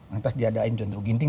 lantas diadain john rukinting